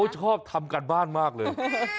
ชอบทำการบ้านมากเลย